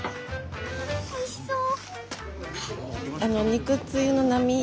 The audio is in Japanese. おいしそう！